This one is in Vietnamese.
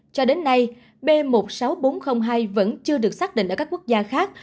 cho đến nay b một mươi sáu nghìn bốn trăm linh hai vẫn chưa được xác định ở các quốc gia khác